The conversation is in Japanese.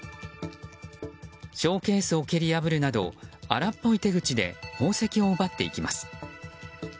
ショーケースを蹴り破るなど荒っぽい手口で宝石を奪っていきます。